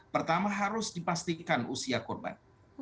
pertama harus dipastikan usia korban